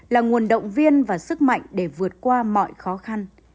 là nguồn động viên và sức mạnh để vượt qua mọi khó khăn